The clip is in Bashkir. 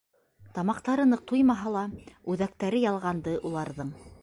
Тамаҡтары ныҡ туймаһа ла, үҙәктәре ялғанды уларҙың.